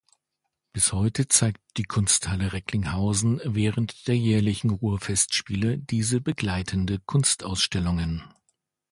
Bis heute zeigt die Kunsthalle Recklinghausen während der jährlichen Ruhrfestspiele diese begleitende Kunstausstellungen.